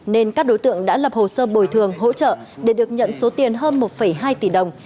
nên các đối tượng đã lập hồ sơ bồi thường hỗ trợ để được nhận số tiền hơn một hai tỷ đồng